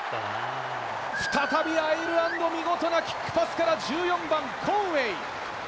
再び、アイルランド見事なキックパスから１４番、コンウェイ！